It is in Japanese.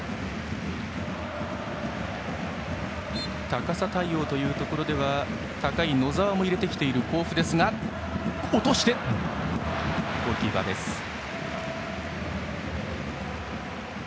高さ対応というところでは高い野澤も入れてきている甲府ですがゴールキーパーが押さえました。